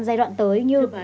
giai đoạn tới như